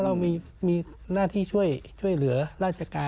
เรามีหน้าที่ช่วยเหลือราชการ